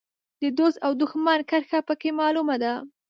د دوست او دوښمن کرښه په کې معلومه ده.